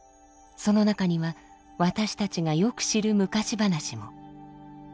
その中には私たちがよく知る昔話も。